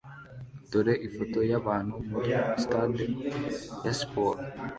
Dore ifoto yabantu muri stade ya siporo